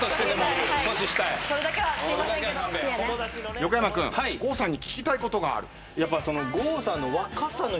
横山君郷さんに聞きたいことがある？